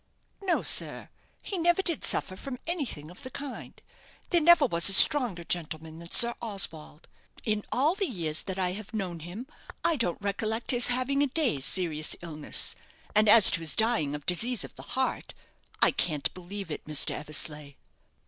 "No, sir; he never did suffer from anything of the kind. There never was a stronger gentleman than Sir Oswald. In all the years that I have known him, I don't recollect his having a day's serious illness. And as to his dying of disease of the heart, I can't believe it, Mr. Eversleigh."